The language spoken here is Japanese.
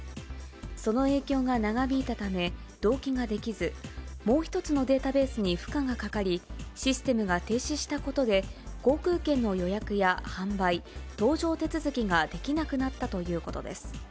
その影響が長引いたため、同期ができず、もう１つのデータベースに負荷がかかり、システムが停止したことで航空券の予約や販売、搭乗手続きができなくなったということです。